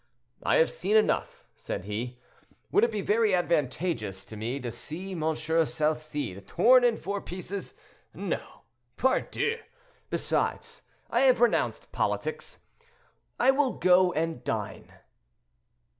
"I have seen enough," said he: "would it be very advantageous to me to see M. Salcede torn in four pieces? No, pardieu! Besides, I have renounced politics; I will go and dine."